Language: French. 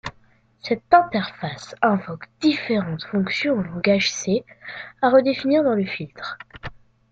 Cette interface invoque différentes fonctions en langage C à redéfinir dans le filtre.